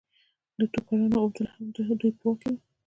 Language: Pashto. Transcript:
د ټوکرانو اوبدل هم د دوی په واک کې وو.